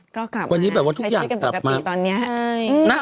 ก็กลับไว้เนาะใช้ที่เป็นปกติตอนเนียะ